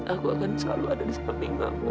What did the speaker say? aku akan selalu ada di samping mama